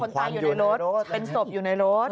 ตายอยู่ในรถเป็นศพอยู่ในรถ